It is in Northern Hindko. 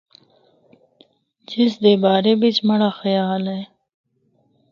جس دے بارے بچ مڑا خیال ہے۔